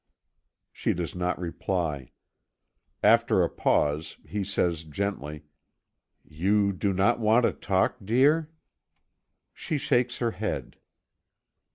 She does not reply. After a pause, he says gently: "You do not want to talk, dear?" She shakes her head.